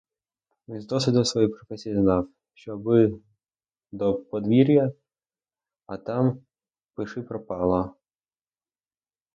Він з досвіду своєї професії знав, що аби до подвір'я, а там пиши пропало.